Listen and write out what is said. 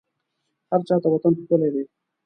هرچا ته وطن ښکلی دی